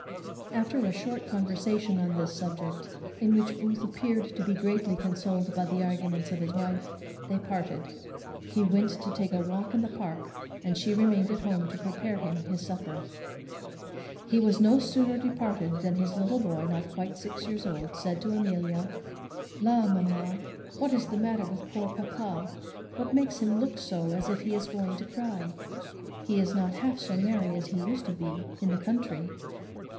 After a short conversation on this subject, in which Booth appeared to be greatly consoled by the arguments of his wife, they parted. He went to take a walk in the Park, and she remained at home to prepare him his dinner. He was no sooner departed than his little boy, not quite six years old, said to Amelia, "La! mamma, what is the matter with poor papa, what makes him look so as if he was going to cry? he is not half so merry as he used to be in the country."